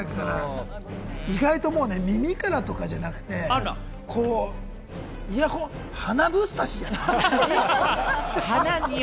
意外と耳からとかじゃなくて、イヤホン、鼻ぶっ刺しじゃない？